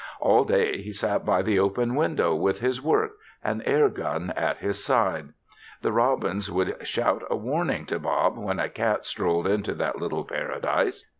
All day he sat by the open window with his work, an air gun at his side. The robins would shout a warning to Bob when a cat strolled into that little paradise.